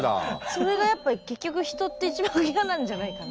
それがやっぱ結局人って一番嫌なんじゃないかな。